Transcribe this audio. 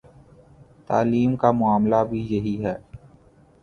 تعلیم کا معاملہ بھی یہی ہے۔